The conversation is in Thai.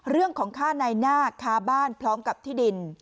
๑เมื่อข้านายหน้าฆ่าบ้านพร้อมกับที่ดิน